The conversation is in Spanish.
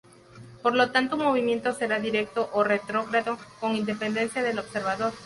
Por lo tanto un movimiento será "directo" o "retrógrado" con independencia del observador.